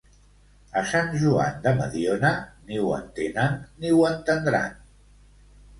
A Sant Joan de Mediona, ni ho entenen ni ho entendran.